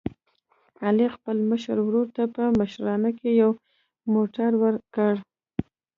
علي خپل مشر ورور ته په مشرانه کې یو موټر ور کړ.